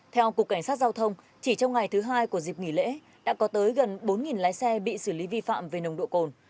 theo cục cảnh sát giao thông chỉ trong ngày thứ hai của dịp nghỉ lễ đã có tới gần bốn lái xe bị xử lý vi phạm về nồng độ cồn